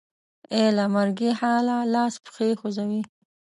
ایله مرګي حاله لاس پښې خوځوي